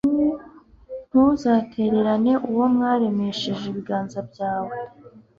ntuzatererane uwo waremesheje ibiganza byawe